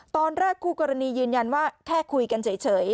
ตอนแรกคู่กรณียืนยันว่าแค่คุยกันเฉย